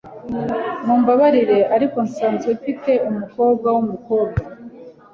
Mumbabarire, ariko nsanzwe mfite umukobwa wumukobwa.